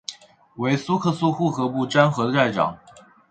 为苏克素护河部沾河寨长。